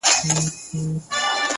خدایه نور یې د ژوندو له کتار باسه؛